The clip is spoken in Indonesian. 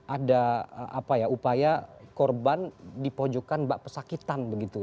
ada upaya korban dipojokkan mbak pesakitan